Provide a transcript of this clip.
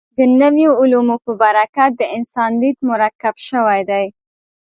د نویو علومو په برکت د انسان لید مرکب شوی دی.